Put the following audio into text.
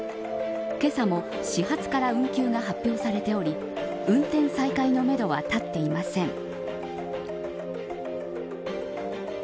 けさも、始発から運休が発表されており運転再開のめどは立っていません。